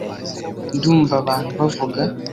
ndumva abantu bavuga